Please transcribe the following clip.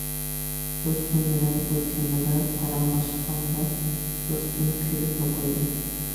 دوستۇم بىلەن بۇ تېمىدا پاراڭلاشقاندا، دوستۇم كۈلۈپلا قويدى.